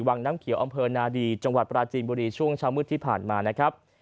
วังน้ำเขียวอำเภอนาดีจังหวัดปราจีนบุรีช่วงเช้ามืดที่ผ่านมานะครับ